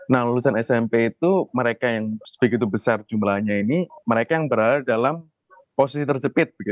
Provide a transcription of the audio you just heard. nah lulusan smp itu mereka yang sebegitu besar jumlahnya ini mereka yang berada dalam posisi terjepit